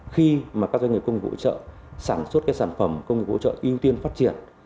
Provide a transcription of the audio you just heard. khi mà các doanh nghiệp công nghiệp hỗ trợ sản xuất các sản phẩm công nghiệp hỗ trợ ưu tiên phát triển